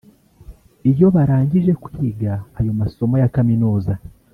Iyo barangije kwiga ayo masomo ya kaminuza